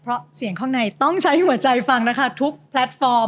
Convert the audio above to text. เพราะเสียงข้างในต้องใช้หัวใจฟังนะคะทุกแพลตฟอร์ม